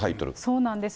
そうなんです。